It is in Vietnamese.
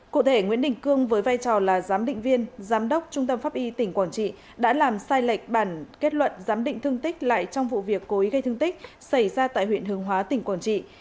cụ thể nguyễn đình cương với vai trò là giám định viên giám đốc trung tâm pháp y tỉnh quảng trị đã làm sai lệch bản kết luận giám định thương tích lại trong vụ việc cố ý gây thương tích xảy ra tại huyện hướng hóa tỉnh quảng trị